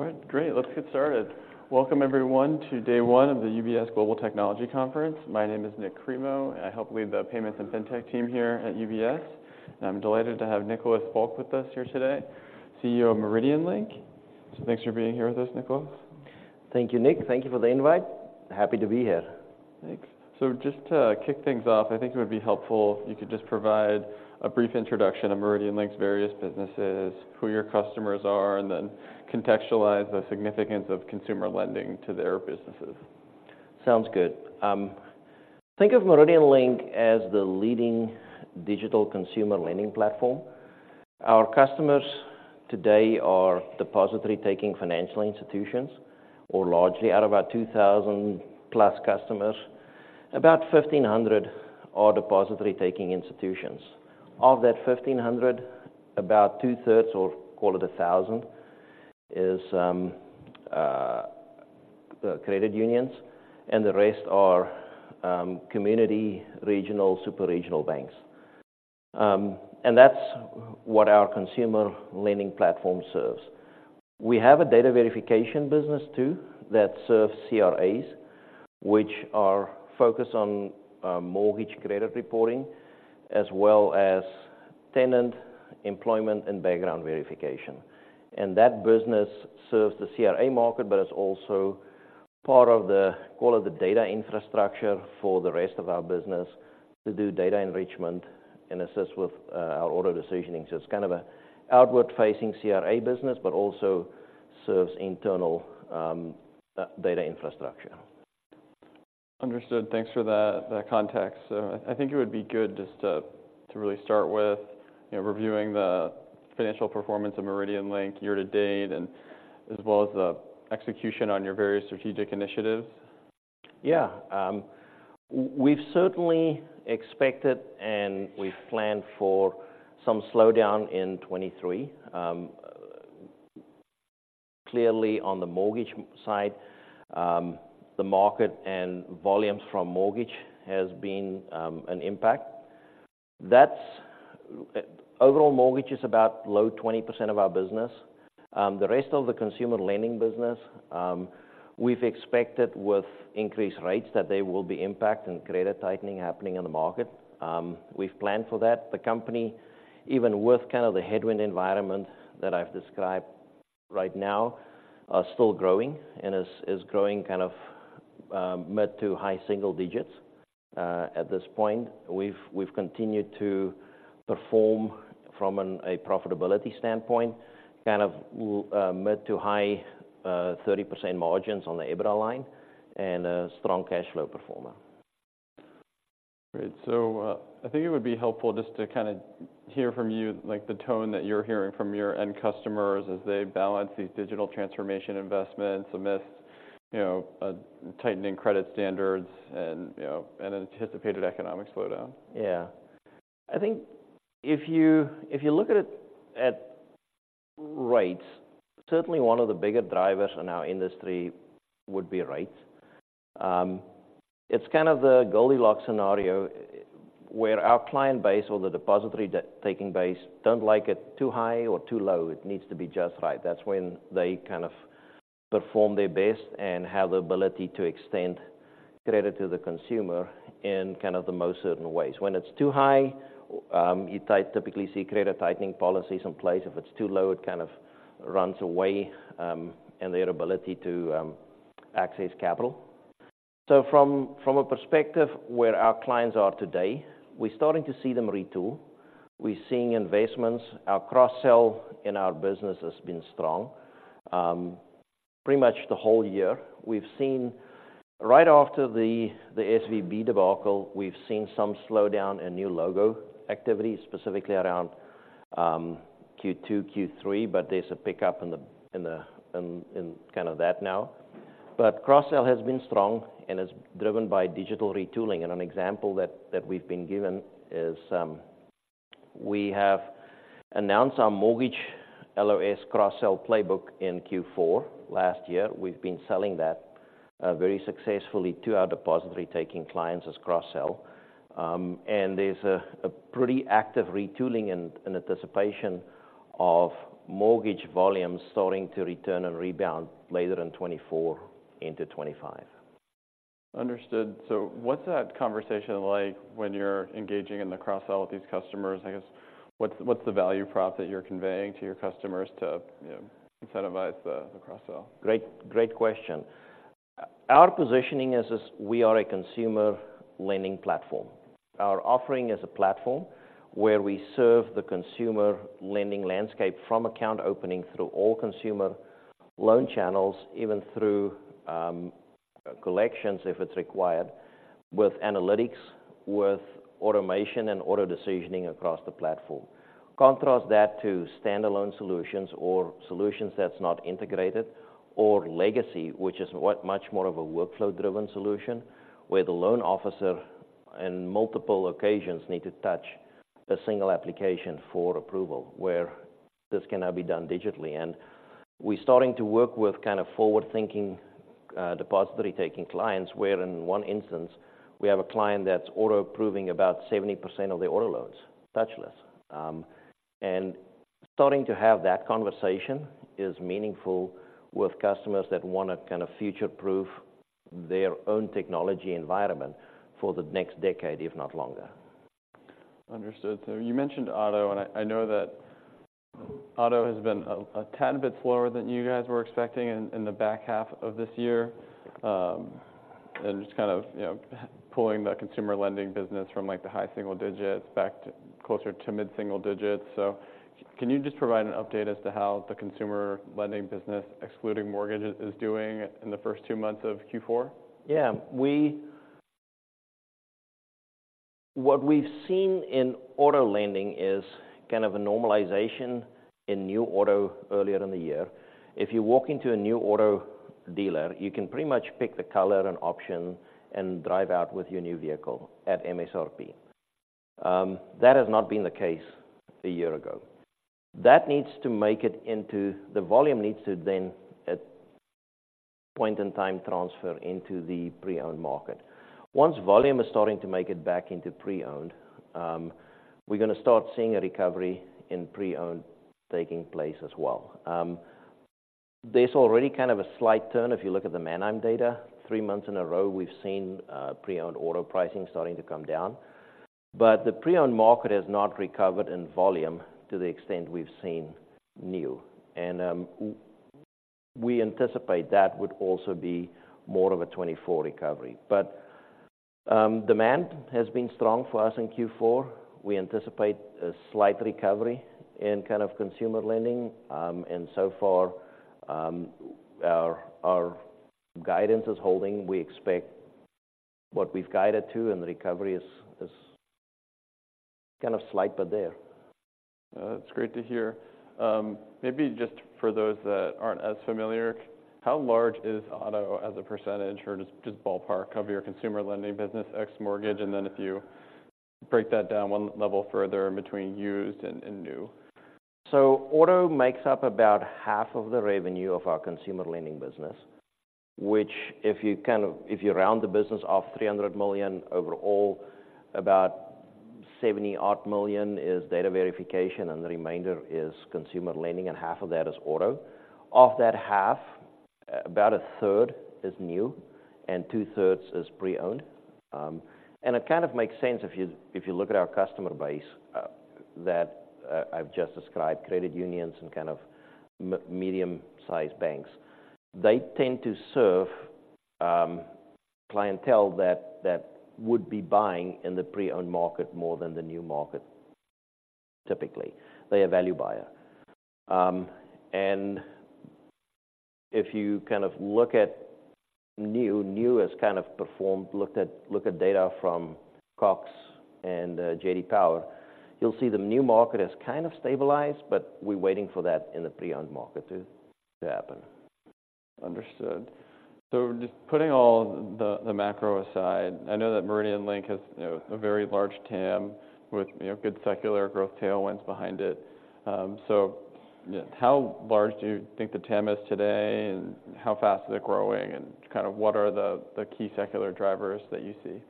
All right, great! Let's get started. Welcome everyone, to day one of the UBS Global Technology Conference. My name is Nik Cremo, and I help lead the Payments and FinTech team here at UBS. I'm delighted to have Nicolaas Vlok with us here today, CEO of MeridianLink. Thanks for being here with us, Nicolaas. Thank you, Nick. Thank you for the invite. Happy to be here. Thanks. So just to kick things off, I think it would be helpful if you could just provide a brief introduction of MeridianLink's various businesses, who your customers are, and then contextualize the significance of consumer lending to their businesses. Sounds good. Think of MeridianLink as the leading digital consumer lending platform. Our customers today are depository-taking financial institutions, or largely, out of our 2,000+ customers, about 1,500 are depository-taking institutions. Of that 1,500, about two-thirds, or call it 1,000, is credit unions, and the rest are community, regional, super regional banks. And that's what our consumer lending platform serves. We have a data verification business too, that serves CRAs, which are focused on mortgage credit reporting, as well as tenant, employment, and background verification. And that business serves the CRA market, but it's also part of the quality of the data infrastructure for the rest of our business to do data enrichment and assist with our auto decisioning. So it's kind of a outward-facing CRA business, but also serves internal data infrastructure. Understood. Thanks for that, that context. So I think it would be good just to, to really start with, you know, reviewing the financial performance of MeridianLink year to date and as well as the execution on your various strategic initiatives. Yeah. We've certainly expected, and we've planned for some slowdown in 2023. Clearly, on the mortgage side, the market and volumes from mortgage has been an impact. That's. Overall, mortgage is about low 20% of our business. The rest of the consumer lending business, we've expected with increased rates that they will be impact and credit tightening happening in the market. We've planned for that. The company, even with kind of the headwind environment that I've described right now, are still growing and is growing kind of, mid- to high-single digits. At this point, we've continued to perform from a profitability standpoint, kind of, mid- to high 30% margins on the EBITDA line and a strong cash flow performer. Great. So, I think it would be helpful just to kinda hear from you, like the tone that you're hearing from your end customers as they balance these digital transformation investments amidst, you know, tightening credit standards and, you know, an anticipated economic slowdown. Yeah. I think if you, if you look at it at rates, certainly one of the bigger drivers in our industry would be rates. It's kind of the Goldilocks scenario, where our client base or the depository deposit-taking base don't like it too high or too low. It needs to be just right. That's when they kind of perform their best and have the ability to extend credit to the consumer in kind of the most certain ways. When it's too high, you typically see credit tightening policies in place. If it's too low, it kind of runs away in their ability to access capital. So from a perspective where our clients are today, we're starting to see them retool. We're seeing investments. Our cross-sell in our business has been strong pretty much the whole year. We've seen... Right after the SVB debacle, we've seen some slowdown in new logo activity, specifically around Q2, Q3, but there's a pickup in that now. But cross-sell has been strong and is driven by digital retooling. And an example that we've been given is we have announced our mortgage LOS cross-sell playbook in Q4 last year. We've been selling that very successfully to our depository-taking clients as cross-sell. And there's a pretty active retooling and anticipation of mortgage volumes starting to return and rebound later in 2024 into 2025. Understood. So what's that conversation like when you're engaging in the cross-sell with these customers? I guess, what's the value prop that you're conveying to your customers to, you know, incentivize the cross-sell? Great, great question. Our positioning is this: we are a consumer lending platform. Our offering is a platform where we serve the consumer lending landscape from account opening through all consumer loan channels, even through collections, if it's required, with analytics, with automation and auto decisioning across the platform. Contrast that to standalone solutions or solutions that's not integrated, or legacy, which is what much more of a workflow-driven solution, where the loan officer in multiple occasions need to touch a single application for approval, where this can now be done digitally. We're starting to work with kind of forward-thinking deposit-taking clients, where in one instance, we have a client that's auto approving about 70% of the auto loans, touchless. Starting to have that conversation is meaningful with customers that wanna kind of future-proof their own technology environment for the next decade, if not longer. Understood. So you mentioned auto, and I know that auto has been a tad bit slower than you guys were expecting in the back half of this year. And just kind of, you know, pulling the consumer lending business from, like, the high single digits back to closer to mid single digits. So can you just provide an update as to how the consumer lending business, excluding mortgages, is doing in the first two months of Q4? Yeah. What we've seen in auto lending is kind of a normalization in new auto earlier in the year. If you walk into a new auto dealer, you can pretty much pick the color and option and drive out with your new vehicle at MSRP. That has not been the case a year ago. That needs to make it into... The volume needs to then, at point in time, transfer into the pre-owned market. Once volume is starting to make it back into pre-owned, we're gonna start seeing a recovery in pre-owned taking place as well. There's already kind of a slight turn if you look at the Manheim data. Three months in a row, we've seen pre-owned auto pricing starting to come down, but the pre-owned market has not recovered in volume to the extent we've seen new, and we anticipate that would also be more of a 2024 recovery. But demand has been strong for us in Q4. We anticipate a slight recovery in kind of consumer lending, and so far our guidance is holding. We expect what we've guided to, and the recovery is kind of slight, but there. That's great to hear. Maybe just for those that aren't as familiar, how large is auto as a percentage, or just ballpark, of your consumer lending business, ex mortgage, and then if you break that down one level further between used and new? So auto makes up about half of the revenue of our consumer lending business, which if you kind of if you round the business off, $300 million overall, about $70 million is data verification, and the remainder is consumer lending, and half of that is auto. Of that half, about a third is new, and two-thirds is pre-owned. And it kind of makes sense if you, if you look at our customer base, that I've just described, credit unions and kind of medium-sized banks. They tend to serve clientele that would be buying in the pre-owned market more than the new market, typically. They're a value buyer. And if you kind of look at new, new has kind of performed. Look at data from Cox and J.D. Power. You'll see the new market has kind of stabilized, but we're waiting for that in the pre-owned market to happen. Understood. So just putting all the macro aside, I know that MeridianLink has, you know, a very large TAM with, you know, good secular growth tailwinds behind it. So, yeah, how large do you think the TAM is today, and how fast is it growing, and kind of what are the key secular drivers that you see?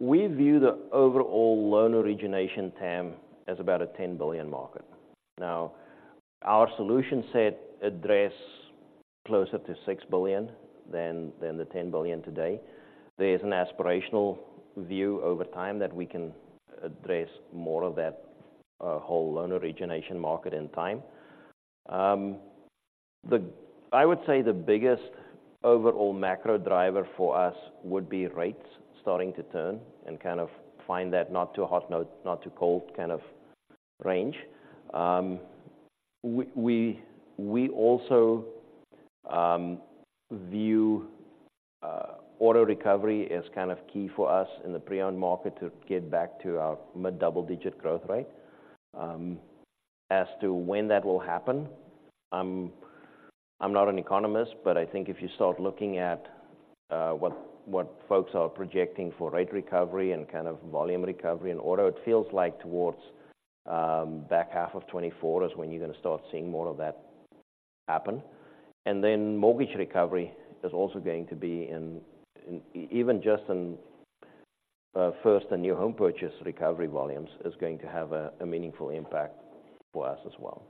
We view the overall loan origination TAM as about a $10 billion market. Now, our solution set address closer to $6 billion than the $10 billion today. There is an aspirational view over time that we can address more of that whole loan origination market in time. I would say the biggest overall macro driver for us would be rates starting to turn and kind of find that not too hot, not too cold kind of range. We also view auto recovery as kind of key for us in the pre-owned market to get back to our mid-double-digit growth rate. As to when that will happen, I'm not an economist, but I think if you start looking at what folks are projecting for rate recovery and kind of volume recovery in auto, it feels like towards back half of 2024 is when you're gonna start seeing more of that happen. And then mortgage recovery is also going to be even just in first and new home purchase recovery volumes, is going to have a meaningful impact for us as well.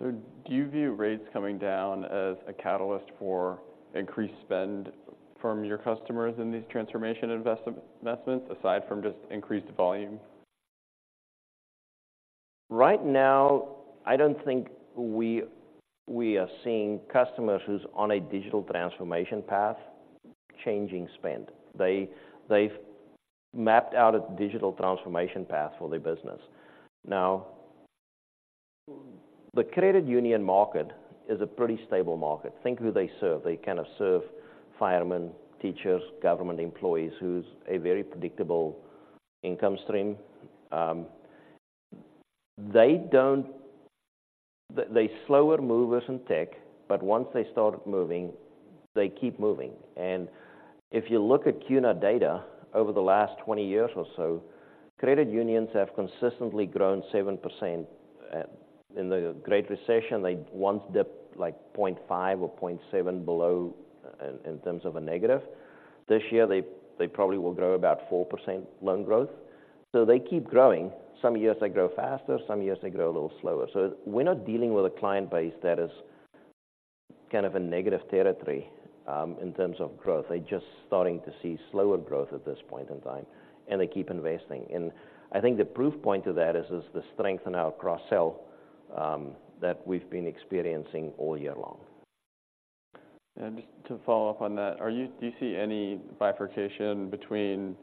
So do you view rates coming down as a catalyst for increased spend from your customers in these transformation investments, aside from just increased volume? Right now, I don't think we, we are seeing customers who's on a digital transformation path changing spend. They, they've mapped out a digital transformation path for their business. Now, the credit union market is a pretty stable market. Think who they serve. They kind of serve firemen, teachers, government employees, who's a very predictable income stream. They don't. They're slower movers in tech, but once they start moving, they keep moving. And if you look at CUNA data over the last 20 years or so, credit unions have consistently grown 7%. In the Great Recession, they once dipped like 0.5 or 0.7 below, in terms of a negative. This year, they probably will grow about 4% loan growth. So they keep growing. Some years they grow faster, some years they grow a little slower. So we're not dealing with a client base that is kind of a negative territory in terms of growth. They're just starting to see slower growth at this point in time, and they keep investing. And I think the proof point to that is the strength in our cross-sell that we've been experiencing all year long. And just to follow up on that, do you see any bifurcation between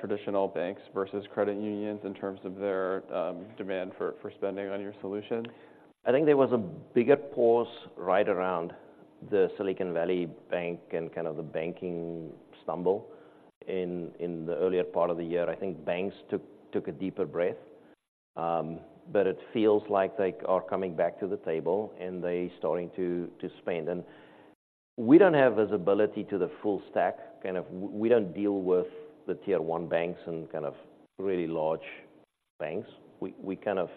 traditional banks versus credit unions in terms of their demand for spending on your solution? I think there was a bigger pause right around the Silicon Valley Bank and kind of the banking stumble in the earlier part of the year. I think banks took a deeper breath, but it feels like they are coming back to the table and they're starting to spend. And we don't have visibility to the full stack. Kind of, we don't deal with the Tier One banks and kind of really large banks. We kind of...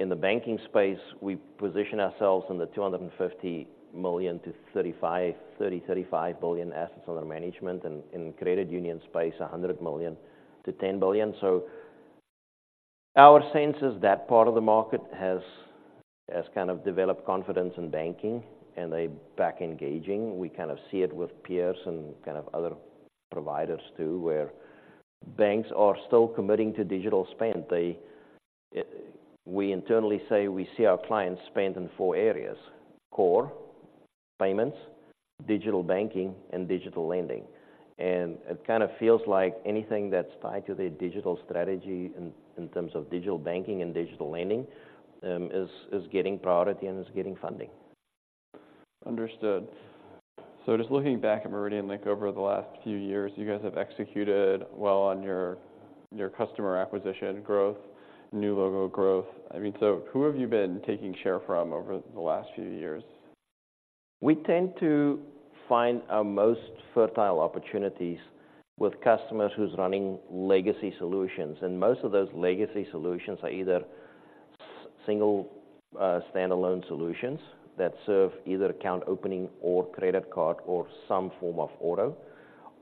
In the banking space, we position ourselves in the $250 million-$35 billion assets under management, and in credit union space, $100 million-$10 billion. So our sense is that part of the market has kind of developed confidence in banking, and they're back engaging. We kind of see it with peers and kind of other providers too, where banks are still committing to digital spend. They, we internally say we see our clients spend in four areas: core, payments, digital banking, and digital lending. It kind of feels like anything that's tied to their digital strategy in terms of digital banking and digital lending, is getting priority and is getting funding. Understood. So just looking back at MeridianLink over the last few years, you guys have executed well on your customer acquisition growth, new logo growth. I mean, so who have you been taking share from over the last few years? We tend to find our most fertile opportunities with customers who's running legacy solutions, and most of those legacy solutions are either single, standalone solutions that serve either account opening or credit card or some form of auto.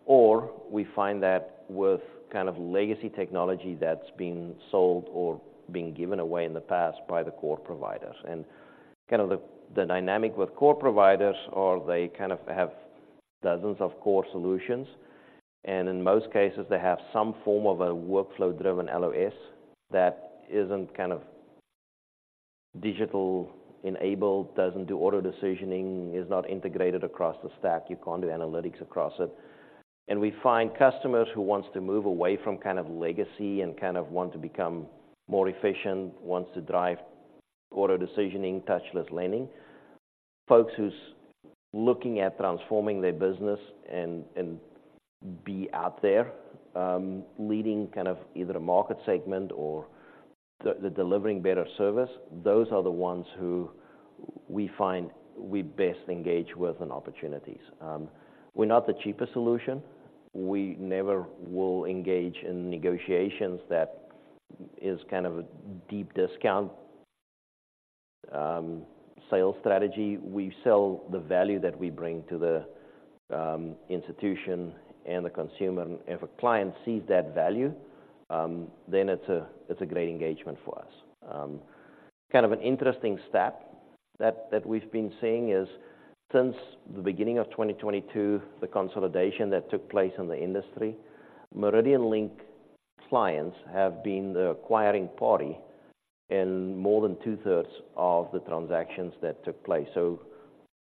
Or we find that with kind of legacy technology that's been sold or been given away in the past by the core providers. And kind of the dynamic with core providers are they kind of have dozens of core solutions, and in most cases, they have some form of a workflow-driven LOS that isn't kind of digital-enabled, doesn't do auto decisioning, is not integrated across the stack, you can't do analytics across it. We find customers who wants to move away from kind of legacy and kind of want to become more efficient, wants to drive auto decisioning, touchless lending, folks who's looking at transforming their business and be out there, leading kind of either a market segment or they're delivering better service. Those are the ones who we find we best engage with on opportunities. We're not the cheapest solution. We never will engage in negotiations that is kind of a deep discount sales strategy. We sell the value that we bring to the institution and the consumer. If a client sees that value, then it's a, it's a great engagement for us. Kind of an interesting stat that we've been seeing is, since the beginning of 2022, the consolidation that took place in the industry, MeridianLink clients have been the acquiring party in more than two-thirds of the transactions that took place. So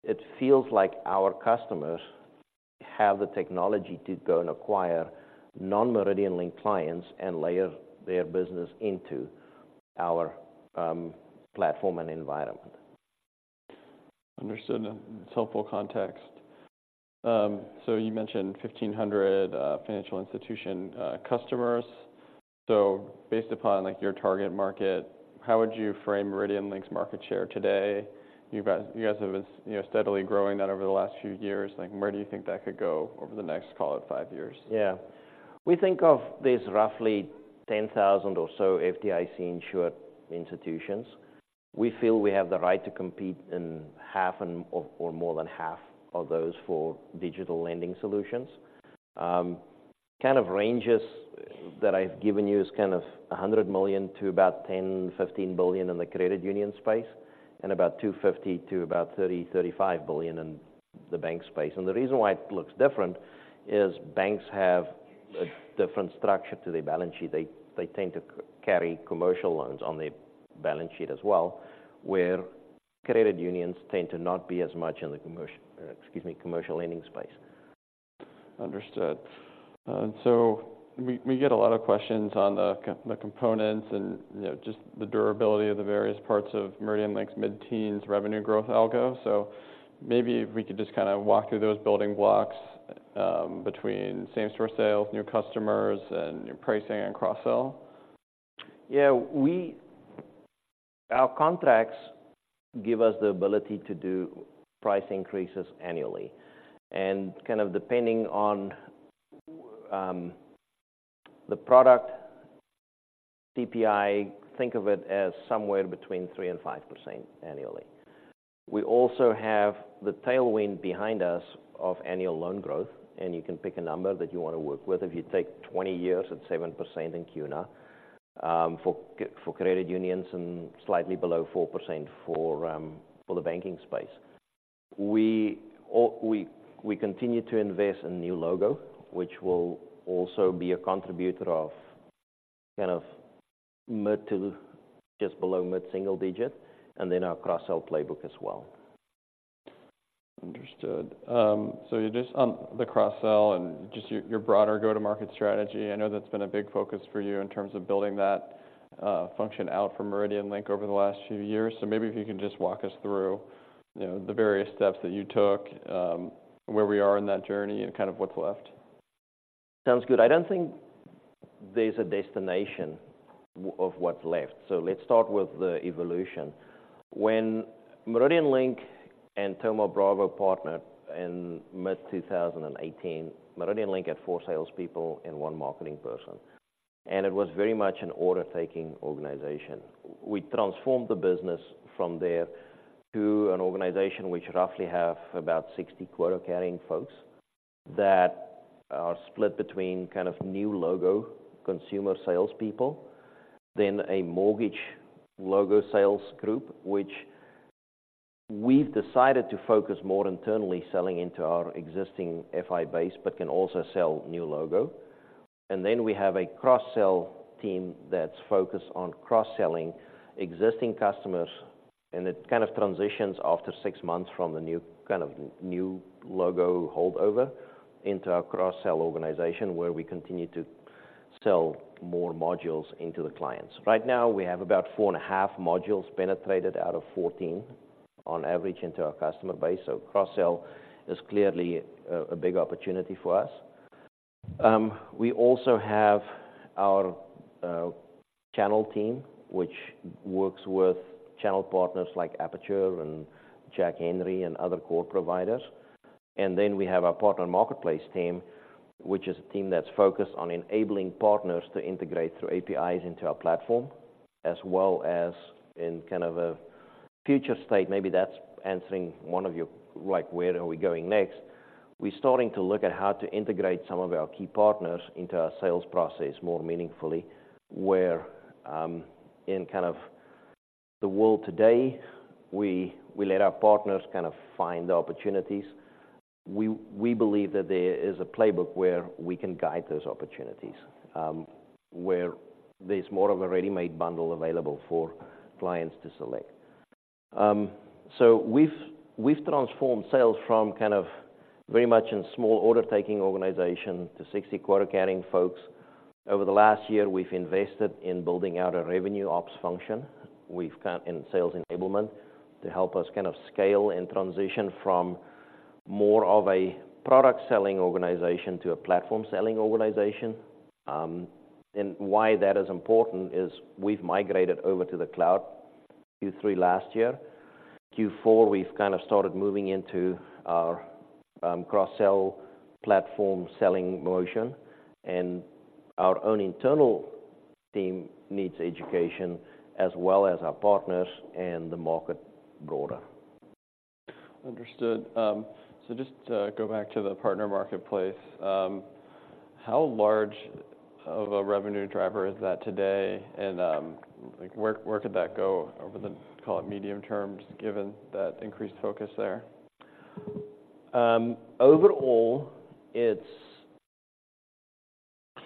it feels like our customers have the technology to go and acquire non-MeridianLink clients and layer their business into our platform and environment. Understood. It's helpful context. So you mentioned 1,500 financial institution customers. So based upon, like, your target market, how would you frame MeridianLink's market share today? You guys, you guys have been, you know, steadily growing that over the last few years. Like, where do you think that could go over the next, call it, five years? Yeah. We think of these roughly 10,000 or so FDIC-insured institutions. We feel we have the right to compete in half or more than half of those for digital lending solutions. Kind of ranges that I've given you is kind of $100 million to about $10-15 billion in the credit union space, and about $250-$350 billion in the bank space. The reason why it looks different is banks have a different structure to their balance sheet. They tend to carry commercial loans on their balance sheet as well, where credit unions tend to not be as much in the commercial lending space. Understood. And so we get a lot of questions on the components and, you know, just the durability of the various parts of MeridianLink's mid-teens revenue growth algo. So maybe if we could just kind of walk through those building blocks between same-store sales, new customers, and new pricing and cross-sell. Yeah, our contracts give us the ability to do price increases annually. And kind of depending on the product CPI, think of it as somewhere between 3%-5% annually. We also have the tailwind behind us of annual loan growth, and you can pick a number that you want to work with. If you take 20 years at 7% in CUNA for credit unions and slightly below 4% for the banking space. We continue to invest in new logo, which will also be a contributor of kind of mid- to just below mid-single digit, and then our cross-sell playbook as well. Understood. So, just on the cross-sell and your broader go-to-market strategy, I know that's been a big focus for you in terms of building that function out from MeridianLink over the last few years. So maybe if you can just walk us through, you know, the various steps that you took, where we are in that journey, and kind of what's left. Sounds good. I don't think there's a destination of what's left, so let's start with the evolution. When MeridianLink and Thoma Bravo partnered in mid-2018, MeridianLink had 4 salespeople and 1 marketing person, and it was very much an order-taking organization. We transformed the business from there to an organization which roughly have about 60 quota-carrying folks that are split between kind of new logo consumer salespeople, then a mortgage logo sales group, which we've decided to focus more internally selling into our existing FI base, but can also sell new logo. And then we have a cross-sell team that's focused on cross-selling existing customers, and it kind of transitions after 6 months from the new kind of new logo holdover into our cross-sell organization, where we continue to sell more modules into the clients. Right now, we have about 4.5 modules penetrated out of 14 on average into our customer base, so cross-sell is clearly a, a big opportunity for us. We also have our channel team, which works with channel partners like Apiture and Jack Henry, and other core providers. And then we have our partner marketplace team, which is a team that's focused on enabling partners to integrate through APIs into our platform, as well as in kind of a future state. Maybe that's answering one of your... Like, where are we going next? We're starting to look at how to integrate some of our key partners into our sales process more meaningfully, where, in kind of the world today, we, we let our partners kind of find the opportunities. We believe that there is a playbook where we can guide those opportunities, where there's more of a ready-made bundle available for clients to select. So we've transformed sales from kind of very much a small order-taking organization to 60 quota-carrying folks. Over the last year, we've invested in building out a revenue ops function. We've added sales enablement to help us kind of scale and transition from more of a product-selling organization to a platform-selling organization. And why that is important is we've migrated over to the cloud in Q3 last year. Q4, we've kind of started moving into our cross-sell platform-selling motion, and our own internal team needs education, as well as our partners and the broader market. Understood. So just to go back to the partner marketplace, how large of a revenue driver is that today? And, like, where could that go over the, call it, medium term, just given that increased focus there? Overall, it's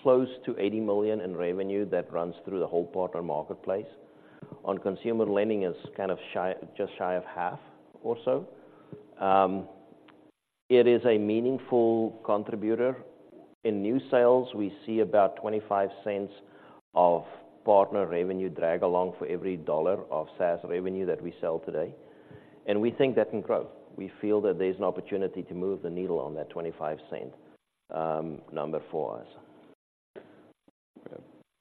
close to $80 million in revenue that runs through the whole partner marketplace. On consumer lending, it's kind of shy- just shy of half or so. It is a meaningful contributor. In new sales, we see about $0.25 of partner revenue drag along for every $1 of SaaS revenue that we sell today, and we think that can grow. We feel that there's an opportunity to move the needle on that $0.25 number for us.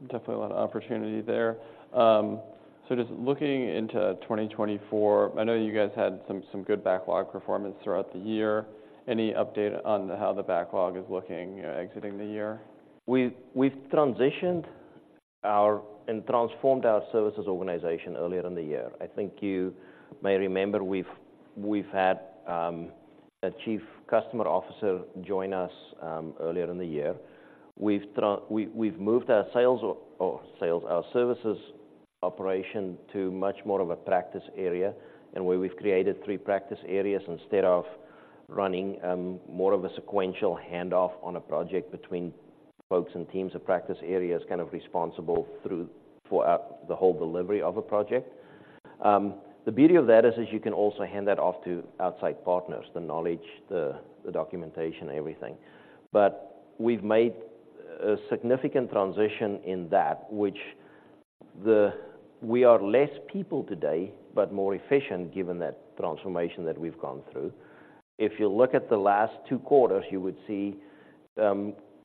Definitely a lot of opportunity there. So just looking into 2024, I know you guys had some good backlog performance throughout the year. Any update on how the backlog is looking, you know, exiting the year? We've transitioned our and transformed our services organization earlier in the year. I think you may remember, we've had a chief customer officer join us earlier in the year. We've moved our sales or sales, our services operation to much more of a practice area, and where we've created three practice areas, instead of running more of a sequential handoff on a project between folks and teams of practice areas, kind of responsible for the whole delivery of a project. The beauty of that is you can also hand that off to outside partners, the knowledge, the documentation, everything. But we've made a significant transition in that we are less people today, but more efficient given that transformation that we've gone through. If you look at the last two quarters, you would see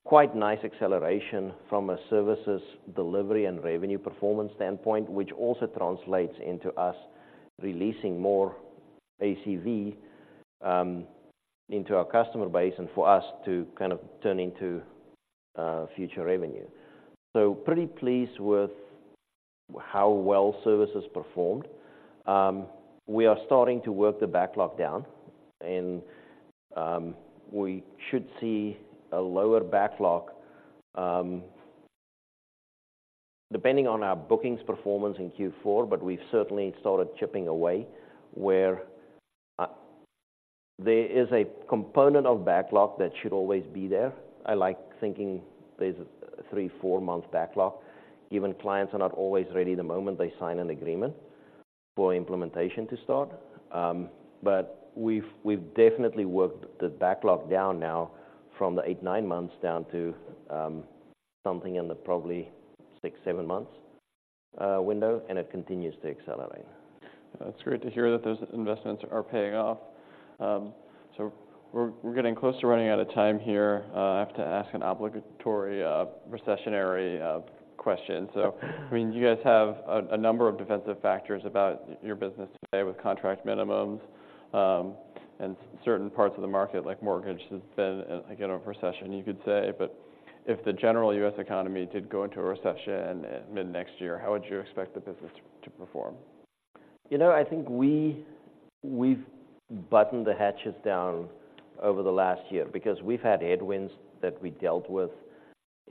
quite nice acceleration from a services delivery and revenue performance standpoint, which also translates into us releasing more ACV into our customer base, and for us to kind of turn into future revenue. So pretty pleased with how well services performed. We are starting to work the backlog down, and we should see a lower backlog depending on our bookings performance in Q4, but we've certainly started chipping away, there is a component of backlog that should always be there. I like thinking there's a three, four-month backlog, given clients are not always ready the moment they sign an agreement for implementation to start. But we've, we've definitely worked the backlog down now from the 8-9 months down to something in the probably 6-7 months window, and it continues to accelerate. That's great to hear that those investments are paying off. So we're getting close to running out of time here. I have to ask an obligatory recessionary question. So, I mean, you guys have a number of defensive factors about your business today with contract minimums. And certain parts of the market, like mortgage, has been, again, a recession, you could say. But if the general U.S. economy did go into a recession in mid-next year, how would you expect the business to perform? You know, I think we've battened the hatches down over the last year because we've had headwinds that we dealt with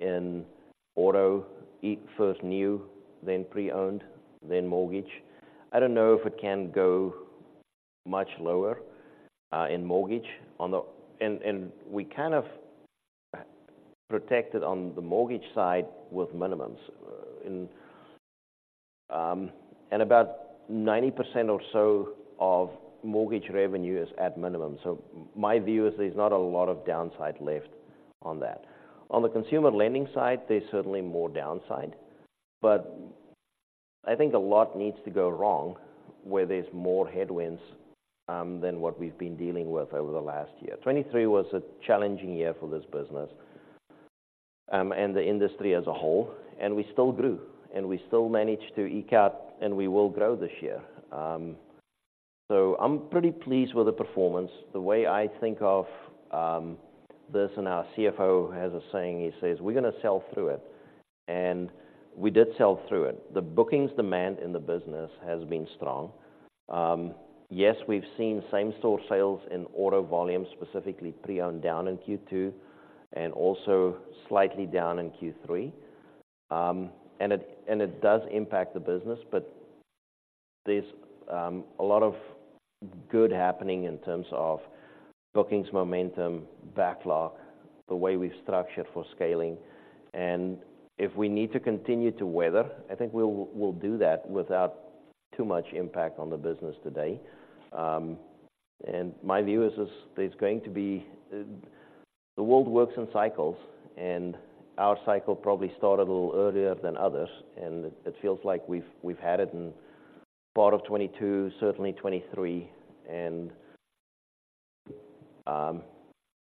in auto, first new, then pre-owned, then mortgage. I don't know if it can go much lower in mortgage on the... and we kind of protected on the mortgage side with minimums in, and about 90% or so of mortgage revenue is at minimum. So my view is there's not a lot of downside left on that. On the consumer lending side, there's certainly more downside, but I think a lot needs to go wrong, where there's more headwinds than what we've been dealing with over the last year. 2023 was a challenging year for this business, and the industry as a whole, and we still grew, and we still managed to eke out, and we will grow this year. So I'm pretty pleased with the performance. The way I think of this, and our CFO has a saying, he says: "We're gonna sell through it." And we did sell through it. The bookings demand in the business has been strong. Yes, we've seen same-store sales in auto volume, specifically pre-owned, down in Q2 and also slightly down in Q3. And it does impact the business, but there's a lot of good happening in terms of bookings, momentum, backlog, the way we've structured for scaling. And if we need to continue to weather, I think we'll do that without too much impact on the business today. And my view is there's going to be... The world works in cycles, and our cycle probably started a little earlier than others, and it feels like we've had it in part of 2022, certainly 2023.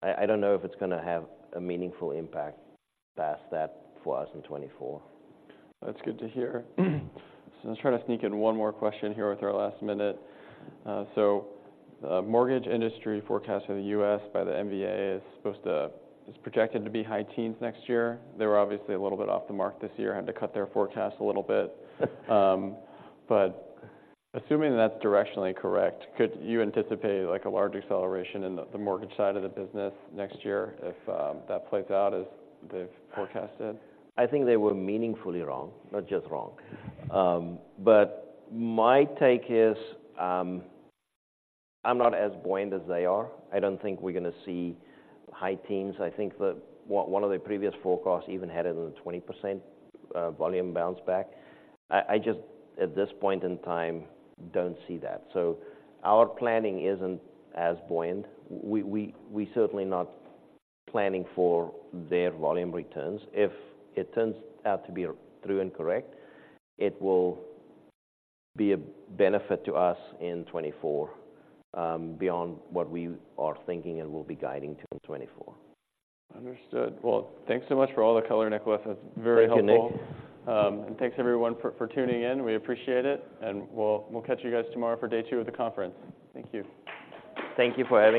I don't know if it's gonna have a meaningful impact past that for us in 2024. That's good to hear. So I'll try to sneak in one more question here with our last minute. Mortgage industry forecast for the U.S. by the MBA is supposed to, is projected to be high teens next year. They were obviously a little bit off the mark this year. They had to cut their forecast a little bit. But assuming that's directionally correct, could you anticipate, like, a large acceleration in the mortgage side of the business next year, if that plays out as they've forecasted? I think they were meaningfully wrong, not just wrong. But my take is, I'm not as buoyant as they are. I don't think we're gonna see high teens. I think that one of the previous forecasts even had it in the 20%, volume bounce back. I just, at this point in time, don't see that. So our planning isn't as buoyant. We're certainly not planning for their volume returns. If it turns out to be true and correct, it will be a benefit to us in 2024, beyond what we are thinking and will be guiding to in 2024. Understood. Well, thanks so much for all the color, Nicolaas. That's very helpful. Thank you, Nik. Thanks, everyone, for tuning in. We appreciate it, and we'll catch you guys tomorrow for day two of the conference. Thank you. Thank you for having us.